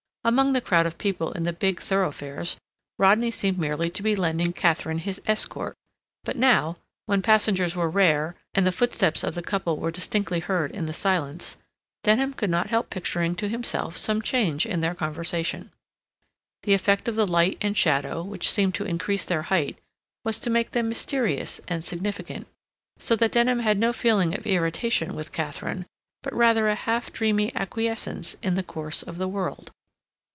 Among the crowd of people in the big thoroughfares Rodney seemed merely to be lending Katharine his escort, but now, when passengers were rare and the footsteps of the couple were distinctly heard in the silence, Denham could not help picturing to himself some change in their conversation. The effect of the light and shadow, which seemed to increase their height, was to make them mysterious and significant, so that Denham had no feeling of irritation with Katharine, but rather a half dreamy acquiescence in the course of the world.